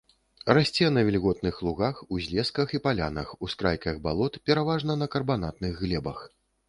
Расце на вільготных лугах, узлесках і палянах, ускрайках балот, пераважна на карбанатных глебах.